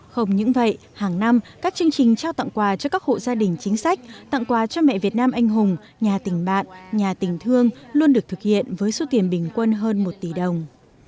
không những vậy hàng năm các chương trình trao tặng quà cho các hộ gia đình chính sách tặng quà cho mẹ việt nam anh hùng nhà tình bạn nhà tình thương luôn được thực hiện với số tiền bình quân hơn một tỷ đồng